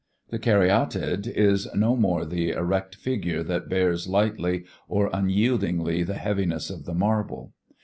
"The Caryatid" is no more the erect figure that bears lightly or unyieldingly the heaviness of the marble.